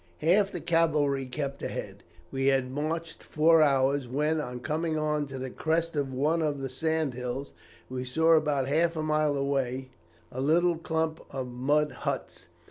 Half the cavalry kept ahead. We had marched four hours, when, on coming on to the crest of one of the sand hills, we saw about half a mile away a little clump of mud huts.